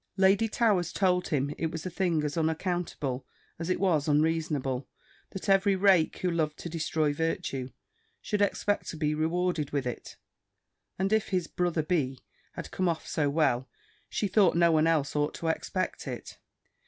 Lady Towers told him it was a thing as unaccountable as it was unreasonable, that every rake who loved to destroy virtue, should expect to be rewarded with it: and if his brother B. had come off so well, she thought no one else ought to expect it.